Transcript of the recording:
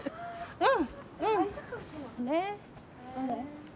うん。